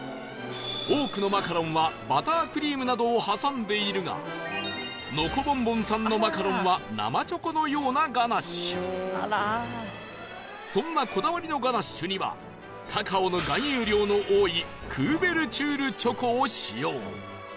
多くのマカロンはバタークリームなどを挟んでいるがノコボンボンさんのマカロンはそんなこだわりのガナッシュにはカカオの含有量の多いクーベルチュールチョコを使用